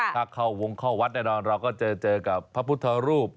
ถ้าเข้าวงเข้าวัดแน่นอนเราก็เจอกับพระพุทธรูป